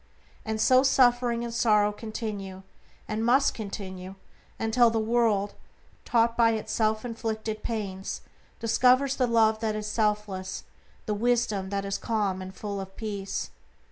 And so suffering and sorrow continue, and must continue until the world, taught by its self inflicted pains, discovers the Love that is selfless, the wisdom that is calm and full of peace.